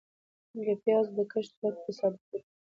د پيازو د کښت ګټه تصادفي ده .